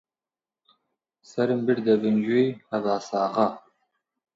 سەرم بردە بن گوێی هەباساغا: